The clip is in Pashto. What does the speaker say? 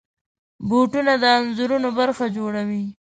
بوټونه د انځورونو برخه جوړوي.